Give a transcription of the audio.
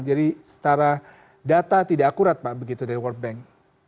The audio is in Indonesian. jadi setara data tidak akurat pak begitu dari world bank